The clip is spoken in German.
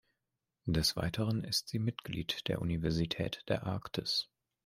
Des Weiteren ist sie Mitglied der Universität der Arktis.